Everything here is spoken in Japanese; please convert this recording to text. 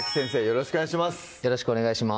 よろしくお願いします